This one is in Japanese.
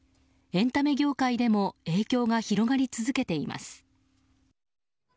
エンタメ業界でも影響が広がり続けています。